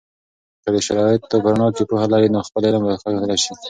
که د شرایطو په رڼا کې پوهه لرئ، نو خپل علم به غښتلی سي.